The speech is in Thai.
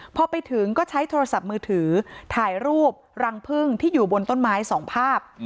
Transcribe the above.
พอไปถึงก็ใช้โทรศัพท์มือถือถ่ายรูปรังพึ่งที่อยู่บนต้นไม้สองภาพ